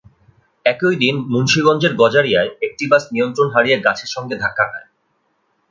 একই দিন মুন্সিগঞ্জের গজারিয়ায় একটি বাস নিয়ন্ত্রণ হারিয়ে গাছের সঙ্গে ধাক্কা খায়।